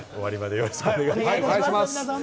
よろしくお願いします。